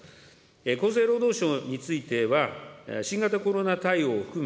厚生労働省については、新型コロナ対応を含め、